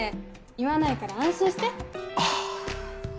言わないから安心してあぁ